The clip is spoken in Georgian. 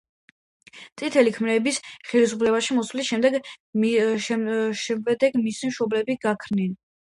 წითელი ქმერების ხელისუფლებაში მოსვლის შემვეგ მისი მშობლები გაქრნენ.